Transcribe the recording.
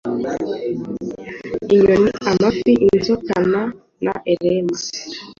inyoni, amafi, inzokana elema